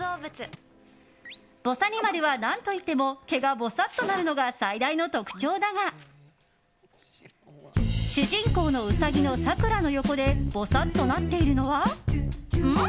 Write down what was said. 「ぼさにまる」は何といっても毛が、ぼさっとなるのが最大の特徴だが主人公のウサギのさくらの横でぼさっとなっているのはん？